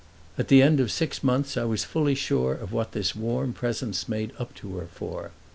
At the end of six months I was fully sure of what this warm presence made up to her for.